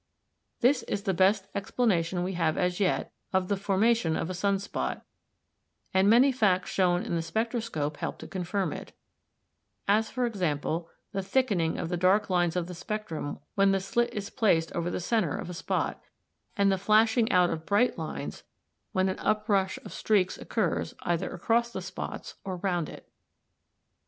This is the best explanation we have as yet of the formation of a sun spot, and many facts shown in the spectroscope help to confirm it, as for example the thickening of the dark lines of the spectrum when the slit is placed over the centre of a spot, and the flashing out of bright lines when an uprush of streaks occurs either across the spots or round it.